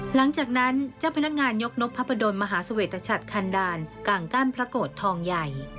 หลังจากนั้นเจ้าพนักงานยกนกพระประดนมหาเสวตชัดคันดาลกางกั้นพระโกรธทองใหญ่